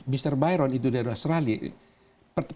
mr byron itu dari australia